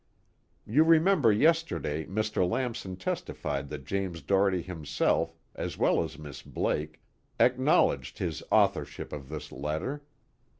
You remember yesterday Mr. Lamson testified that James Doherty himself, as well as Miss Blake, acknowledged his authorship of this letter.